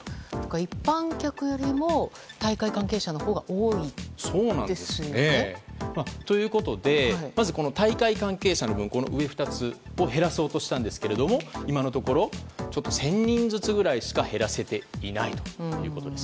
一般客よりも大会関係者のほうが多いんですね。ということで大会関係者の分、上２つを減らそうとしたんですが今のところ１０００人ずつくらいしか減らせていないということです。